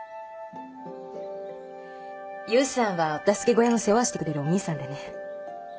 勇さんはお助け小屋の世話してくれるおにいさんでね